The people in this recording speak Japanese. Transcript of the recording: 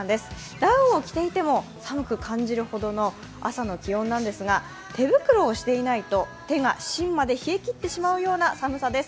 ダウンを着ていても寒く感じるほどの朝の気温なんですが、手袋をしていないと、手が芯まで冷えきってしまうような寒さです。